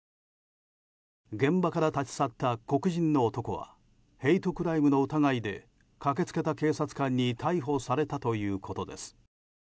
現場から立ち去った黒人の男はヘイトクライムの疑いで駆けつけた警察官に逮捕されたということです。